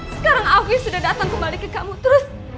sekarang awi sudah datang kembali ke kamu terus